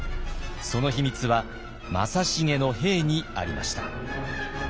その秘密は正成の兵にありました。